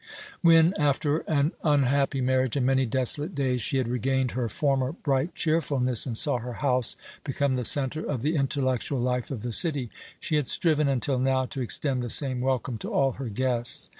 When, after an unhappy marriage and many desolate days, she had regained her former bright cheerfulness and saw her house become the centre of the intellectual life of the city, she had striven until now to extend the same welcome to all her guests.